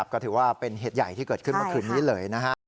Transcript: ก็ถือว่าเป็นเหตุใหญ่ที่เกิดขึ้นเมื่อคืนนี้เลยนะฮะ